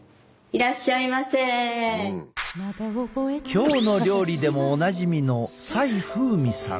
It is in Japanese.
「きょうの料理」でもおなじみの斉風瑞さん。